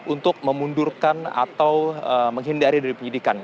untuk memundurkan atau menghindari dari penyidikan